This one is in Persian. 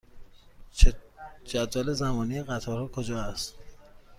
جدول زمانی قطارها کجا است؟